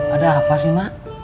ada apa sih mak